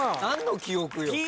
何の記憶よ。